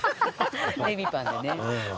レミパンでね。